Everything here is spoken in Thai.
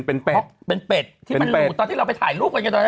เป็นเป็ดที่มันหลุดตอนที่เราไปถ่ายรูปกันกันเลยนะ